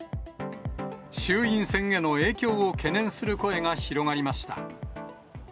衆院選への影響を懸念する声が広がりました。